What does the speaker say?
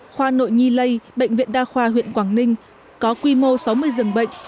khoa nội nhi lây bệnh viện đa khoa huyện quảng ninh có quy mô sáu mươi giường bệnh